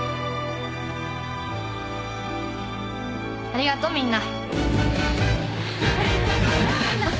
ありがとみんな。